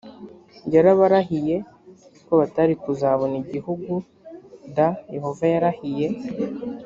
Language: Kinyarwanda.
yarabarahiye ko batari kuzabona igihugud yehova yarahiye